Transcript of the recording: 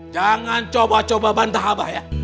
jangan coba coba bantah apa ya